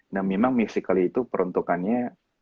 nah memang musically itu peruntukannya